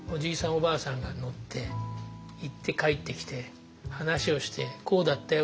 おばあさんが乗って行って帰ってきて話をしてこうだったよ